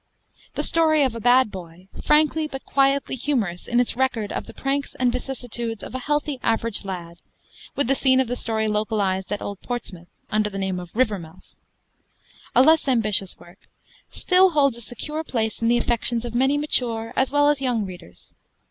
'The Story of a Bad Boy,' frankly but quietly humorous in its record of the pranks and vicissitudes of a healthy average lad (with the scene of the story localized at old Portsmouth, under the name of Rivermouth), a less ambitious work, still holds a secure place in the affections of many mature as well as younger readers.